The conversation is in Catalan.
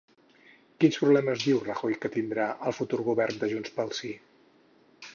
Quins problemes diu Rajoy que tindrà el futur govern de Junts pel Sí?